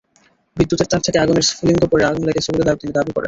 বিদ্যুতের তার থেকে আগুনের স্ফুলিঙ্গ পড়ে আগুন লেগেছে বলে তিনি দাবি করেন।